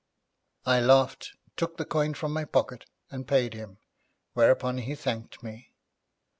I laughed, took the coin from my pocket, and paid him, whereupon he thanked me.